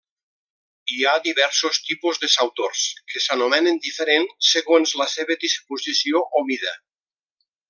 Hi ha diversos tipus de sautors que s'anomenen diferent segons la seva disposició o mida.